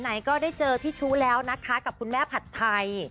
ไหนก็ได้เจอพี่ชู้แล้วนะคะกับคุณแม่ผัดไทย